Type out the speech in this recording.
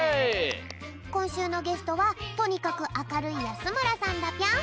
こんしゅうのゲストはとにかく明るい安村さんだぴょん。